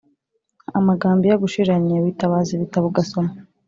amagambo iyo agushiranye witabaza ibitabo ugasoma